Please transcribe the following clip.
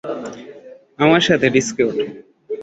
আমার সাথে ডিস্কে ওঠো।